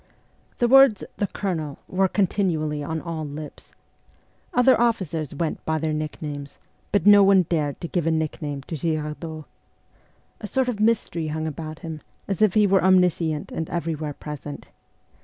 The words ' the Colonel ' were continually on all lips. Other officers went by their nicknames, but no one dared to give a nickname to Girardot. A sort of mystery hung about him, as if he were omniscient and everywhere present.